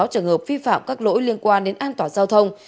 ba mươi sáu trường hợp vi phạm các lỗi liên quan đến an toàn giao thông